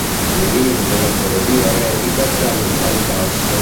Una linea della Ferrovia retica transita al passo.